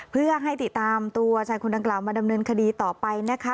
เพื่อให้ติดตามตัวชายคนดังกล่าวมาดำเนินคดีต่อไปนะคะ